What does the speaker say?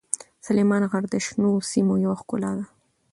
سلیمان غر د شنو سیمو یوه ښکلا ده.